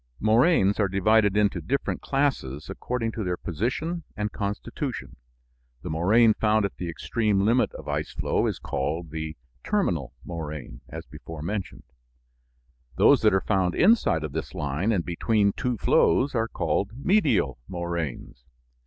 Moraines are divided into different classes according to their position and constitution. The moraine found at the extreme limit of ice flow is called the "terminal" moraine, as before mentioned. Those that are found inside of this line and between two flows are called "medial" moraines.